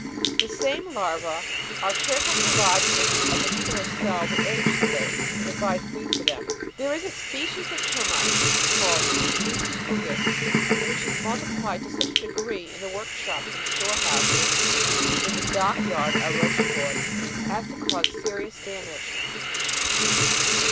The same larvae are careful to lodge in a particular cell the eggs she lays and provide food for them. There is a species of ter mites, caHed lucifugus, which is multiplied to such a degree in the.workshops and store houses, in the dock yard at Rochefort, as to cause serious damage.